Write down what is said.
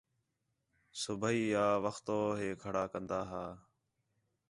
صُبیح آ وختوں ہے کھڑا کن٘دا ہا